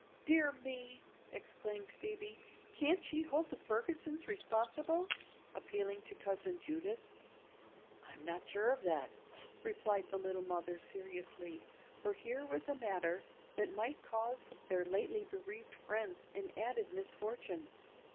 "Dear me," exclaimed Phoebe; "can't she hold the Fergusons responsible?" appealing to Cousin Judith. "I'm not sure of that," replied the Little Mother, seriously, for here was a matter that might cause their lately bereaved friends an added misfortune.